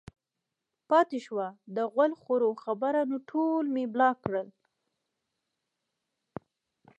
پاتې شوه د غول خورو خبره نو ټول مې بلاک کړل